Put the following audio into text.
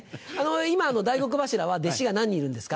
今大黒柱は弟子が何人いるんですか？